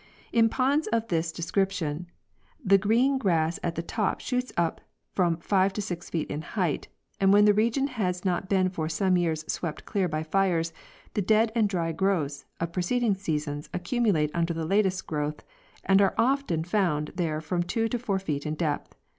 In ponds of this destription the green grass at the top shoots up from five to six feet in height, and when the region has not been for some years swept clear by fires the dead and dry growths of preceding seasons accumulate under the latest growth, and are often found there from two to four feet in depth.